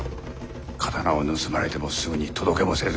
刀を盗まれてもすぐに届けもせず。